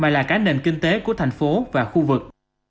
và là cả nền kinh tế của thành phố và khu vực